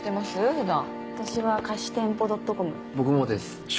ふだん私は貸し店舗ドットコム僕もです